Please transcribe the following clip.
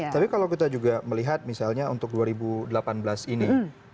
tapi kalau kita juga melihat misalnya untuk dua ribu delapan belas ini